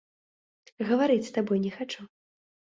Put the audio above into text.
Гаварыць з табой не хачу!